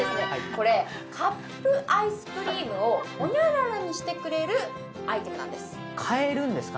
これカップアイスクリームを○○にしてくれるアイテムなんです変えるんですか？